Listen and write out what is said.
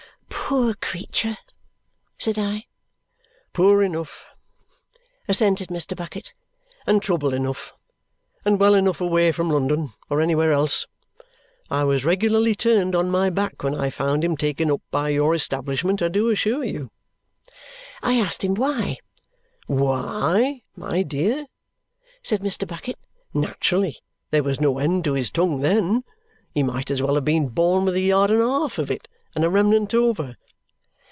"Poor creature!" said I. "Poor enough," assented Mr. Bucket, "and trouble enough, and well enough away from London, or anywhere else. I was regularly turned on my back when I found him taken up by your establishment, I do assure you." I asked him why. "Why, my dear?" said Mr. Bucket. "Naturally there was no end to his tongue then. He might as well have been born with a yard and a half of it, and a remnant over."